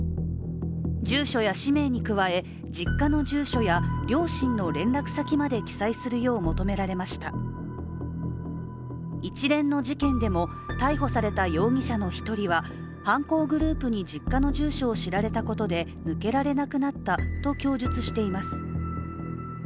住所や氏名に加え、実家の住所や両親の連絡先まで記載するよう求められました一連の事件でも、逮捕された容疑者の一人は犯行グループに実家の住所を知られたことで抜けられなくなったと供述しています。